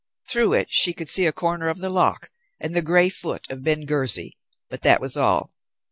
Through it she could see a corner of the loch and the grey foot of Ben Ghusy, but that was all.